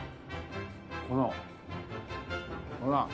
このほら。